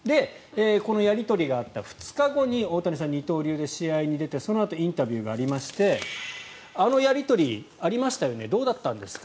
このやり取りがあった２日後に大谷さん、二刀流で試合に出てそのあとインタビューがありましてあのやり取り、ありましたよねどうだったんですか？